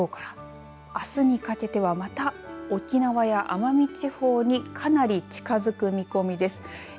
きょうからあすにかけてはまた沖縄や奄美地方にかなり近づく見込みです。